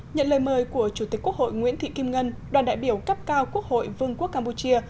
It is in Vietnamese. nhận lời mời của chủ tịch quốc hội nguyễn thị kim ngân đoàn đại biểu cấp cao quốc hội vương quốc campuchia